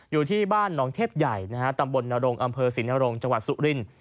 อยู่ที่บ้านหนองเทพใหญ่ตำบลนรงอำเภอศรีนรงค์จังหวัดสุรินทร์